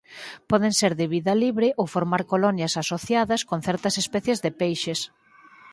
Poden ser de vida libre ou formar colonias asociadas con certas especies de peixes.